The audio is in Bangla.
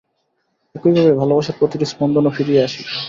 একইভাবে ভালবাসার প্রতিটি স্পন্দনও ফিরিয়া আসিবে।